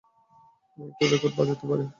আমি একটা রেকর্ড বাজাতে পারি?